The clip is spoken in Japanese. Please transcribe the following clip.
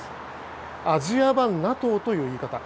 アジア版ＮＡＴＯという言い方。